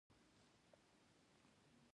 شريف کيسه ختمه کړه.